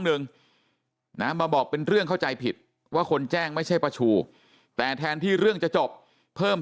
หนึ่งนะมาบอกเป็นเรื่องเข้าใจผิดว่าคนแจ้งไม่ใช่ประชูแต่แทนที่เรื่องจะจบเพิ่ม